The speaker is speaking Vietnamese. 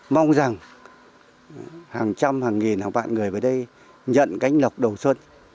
mong rằng hàng trăm hàng nghìn bạn người ở đây nhận cánh lọc đầu xuân